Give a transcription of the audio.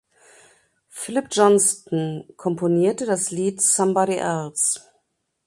Phillip Johnston komponierte das Lied "Somebody Else".